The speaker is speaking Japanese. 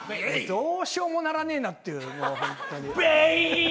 どうしようもならねぇなっていう。